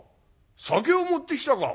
酒を持ってきたか？」。